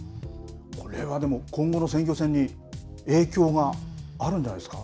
これは今後の選挙戦に影響があるんではないですか？